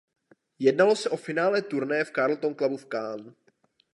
Jednalo se o finále turnaje v Carlton Clubu v Cannes.